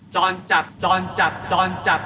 จอร์นจับจอร์นจับจอร์นจับ